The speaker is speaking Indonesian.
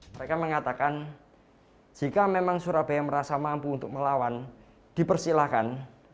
mereka mengatakan jika memang surabaya merasa mampu untuk melawan dipersilahkan